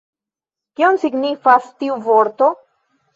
Kion signifas tiu vorto?